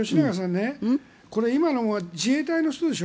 これ今の自衛隊の人でしょ